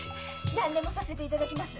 何でもさせていただきます。